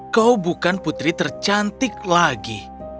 kau bukan putri tercantik lagi